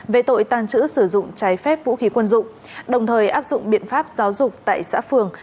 về tội tàng trữ sử dụng trái phép vũ khí quân dụng đồng thời áp dụng biện pháp giáo dục tại xã phường